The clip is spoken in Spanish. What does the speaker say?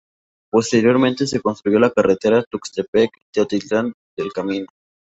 Posteriormente, se construyó la carretera Tuxtepec-Teotitlán del Camino.